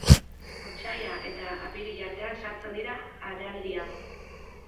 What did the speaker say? Otsaila eta apirila artean sartzen dira araldian.